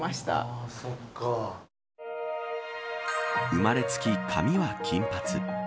生まれつき髪は金髪。